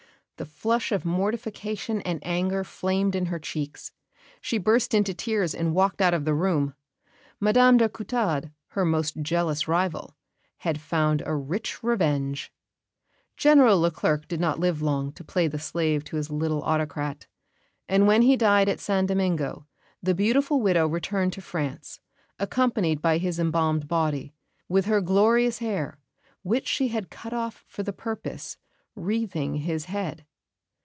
The flush of mortification and anger flamed in her cheeks; she burst into tears and walked out of the room. Madame de Coutades, her most jealous rival, had found a rich revenge. General Leclerc did not live long to play the slave to his little autocrat; and when he died at San Domingo, the beautiful widow returned to France, accompanied by his embalmed body, with her glorious hair, which she had cut off for the purpose, wreathing his head!